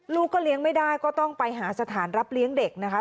ลูกก็เลี้ยงไม่ได้ก็ต้องไปหาสถานรับเลี้ยงเด็กนะคะ